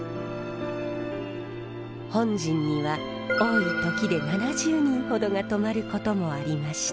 本陣には多いときで７０人ほどが泊まることもありました。